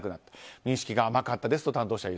認識が甘かったですと担当者。